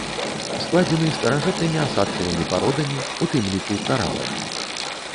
Складзены старажытнымі асадкавымі пародамі, у тым ліку караламі.